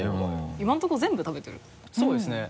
今のところ全部食べてるそうですね。